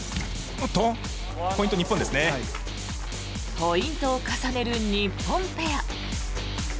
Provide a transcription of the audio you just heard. ポイントを重ねる日本ペア。